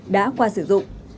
đã qua sử dụng